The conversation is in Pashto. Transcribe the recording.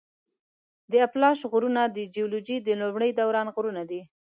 د اپلاش غرونه د جیولوجي د لومړي دوران غرونه دي.